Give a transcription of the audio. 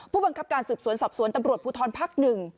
ผู้บังคับการสืบสวนสอบสวนตำรวจภูทรภักดิ์๑